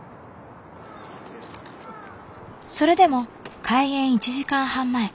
それでも開園１時間半前。